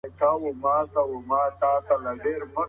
آیا د مسمومیت نښې په خوب کې هم څرګندیږي؟